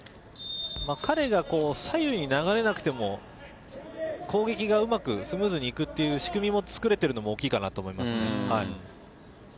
彼が左右に流れなくても、攻撃がうまくスムーズに行くという仕組みを作れているのも大きいかなと思いますね。